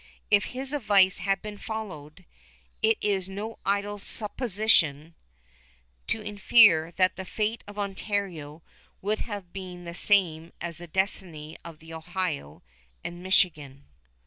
If his advice had been followed, it is no idle supposition to infer that the fate of Ontario would have been the same as the destiny of the Ohio and Michigan.